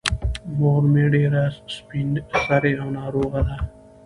مور مې ډېره سبین سرې او ناروغه ده.